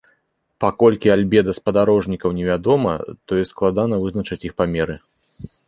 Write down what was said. Паколькі альбеда спадарожнікаў невядома, тое складана вызначыць іх памеры.